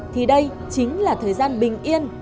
thì đây chính là thời gian bình yên